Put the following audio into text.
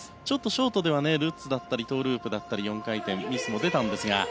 ショートではルッツだったりトウループだったり４回転、ミスも出たんですが。